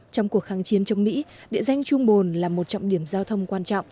trong cuộc kháng chiến chống mỹ địa danh trung bồn là một trọng điểm giao thông quan trọng